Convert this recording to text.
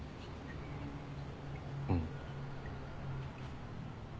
うん。